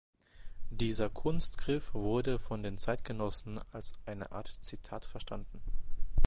Dieser Kunstgriff wurde von den Zeitgenossen als eine Art Zitat verstanden.